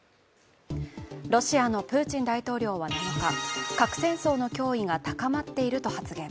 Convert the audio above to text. ロシアのプーチン大統領は７日、核戦争の脅威が高まっていると発言。